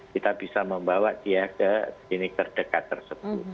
kita bisa membawa dia ke klinik terdekat tersebut